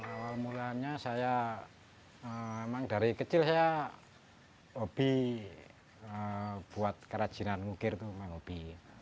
awal mulanya saya memang dari kecil saya hobi buat kerajinan ngukir itu memang hobi